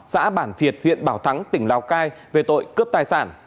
xã bản việt huyện bảo thắng tỉnh lào cai về tội cướp tài sản